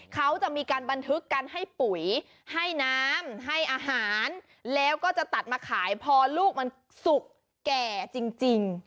เขาจะมีการบันทึกการให้ปุ๋ยให้น้ำให้อาหารแล้วก็จะตัดมาขายพอลูกมันสุกแก่จริง